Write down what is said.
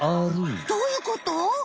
どういうこと？